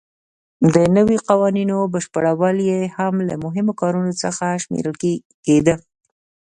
د نویو قوانینو بشپړول یې هم له مهمو کارونو څخه شمېرل کېده.